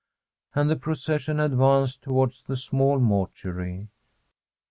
And the procession advanced towards the small mortuary.